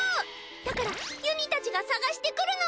だからゆにたちが捜してくるの！